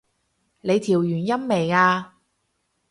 你調完音未啊？